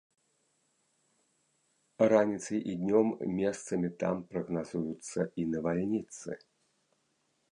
Раніцай і днём месцамі там прагназуюцца і навальніцы.